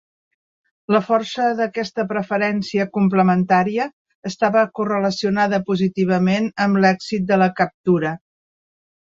La força d'aquesta preferència complementària estava correlacionada positivament amb l'èxit de la captura.